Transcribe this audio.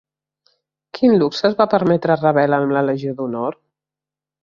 Quin luxe es va permetre Ravel amb la legió d'Honor?